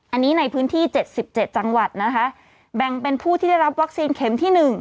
อันนี้ในพื้นที่เจ็ดสิบเจ็ดจังหวัดนะคะแบ่งเป็นผู้ที่ได้รับวัคซีนเข็มที่หนึ่ง